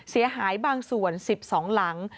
เสียหายบางส่วน๑๒หลัง